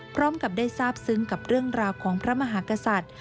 พร้อมกับได้ทราบซึ้งกับเรื่องราวของพระมหากษัตริย์